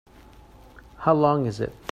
How long is it?